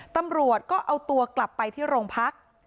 ตำรวจก็เอาตัวกลับไปที่โรงพัก